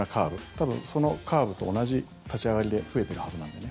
多分そのカーブと同じ立ち上がりで増えてるはずなんでね。